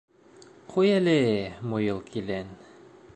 — Ҡуй әле, Муйыл килен!